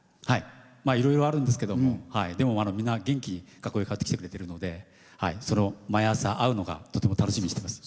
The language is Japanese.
いろいろあるんですけどもでも、みんな元気に学校に通ってきてくれてるので毎朝会うのがとても楽しみにしてます。